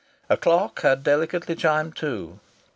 A clock had delicately chimed two.